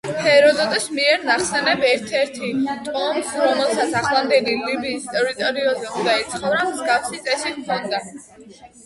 ჰეროდოტეს მიერ ნახსენებ ერთ-ერთი ტომს, რომელსაც ახლანდელი ლიბიის ტერიტორიაზე უნდა ეცხოვრა, მსგავსი წესი ჰქონდა.